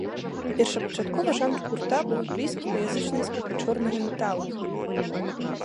Першапачаткова жанр гурта быў блізкі да язычніцкага чорнага метала.